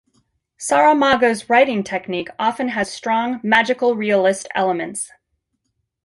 Saramago's writing technique often has strong magical-realist elements.